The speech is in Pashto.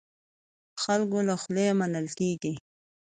خلکو له خوا منل کېږي.